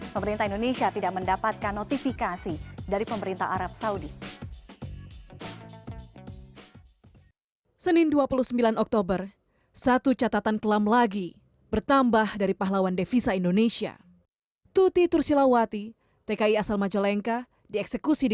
pemerintah indonesia tidak mendapatkan notifikasi dari pemerintah arab saudi